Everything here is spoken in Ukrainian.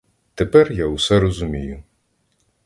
Тепер я усе розумію.